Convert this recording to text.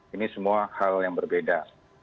ini semua hal yang berbeda